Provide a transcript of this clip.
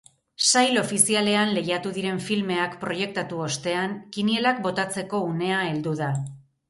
Sail ofizialean lehiatu diren filmeak proiektatu ostean, kinielak botatzeko unea heldu da.